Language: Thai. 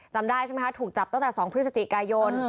จำได้ใช่ไหมคะถูกจับตั้งแต่๒พฤศจิกายน